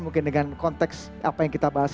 mungkin dengan konteks apa yang kita bahas